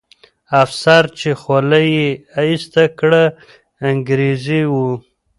افسر چې خولۍ یې ایسته کړه، انګریزي وو.